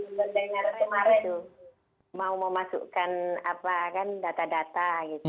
ibu baru mendengar kemarin mau memasukkan data data